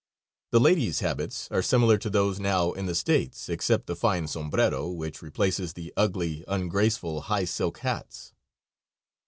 The ladies' habits are similar to those now in the States, except the fine sombrero which replaces the ugly, ungraceful high silk hats.